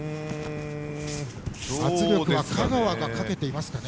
圧力は香川がかけていますかね。